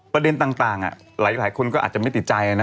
ประเด็นต่างหลายคนก็อาจจะไม่ติดใจนะ